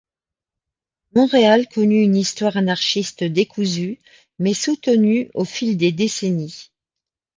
Montréal connut une histoire anarchiste décousue mais soutenue au fil des décennies.